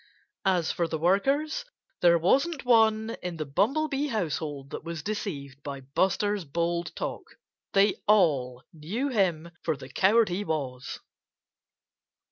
As for the workers, there wasn't one in the Bumblebee household that was deceived by Buster's bold talk. They all knew him for the coward he was.